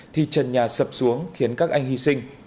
thì trần nhà sập xuống khiến các anh hy sinh